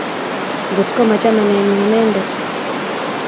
kotgo machamenenyu inenendet